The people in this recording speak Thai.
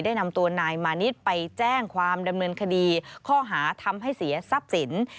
นำตัวนายมานิดไปแจ้งความดำเนินคดีข้อหาทำให้เสียทรัพย์สิน